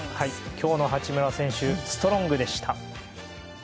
今日の八村選手ストロングでした。